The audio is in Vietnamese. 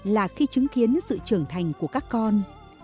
là khi chứng kiến sự trưởng thành của các con